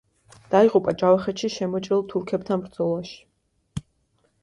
დაიღუპა ჯავახეთში შემოჭრილ თურქებთან ბრძოლაში.